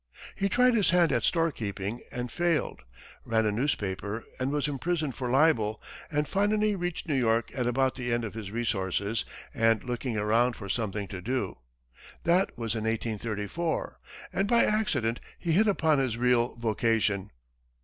He tried his hand at store keeping, and failed; ran a newspaper, and was imprisoned for libel, and finally reached New York at about the end of his resources and looking around for something to do. That was in 1834, and by accident he hit upon his real vocation.